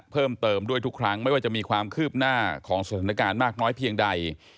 เพิ่มเติมด้วยทุกครั้งไม่ว่าจะมีความคืบหน้าของสถานการณ์มากน้อยเพียงใด